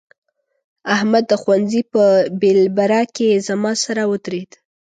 احمد د ښوونځي په بېلبره کې زما سره ودرېد.